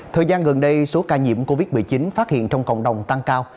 thời gian gần đây số ca nhiễm covid một mươi chín phát hiện trong cộng đồng tăng cao